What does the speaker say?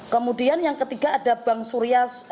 kemudian yang ketiga ada bank surabaya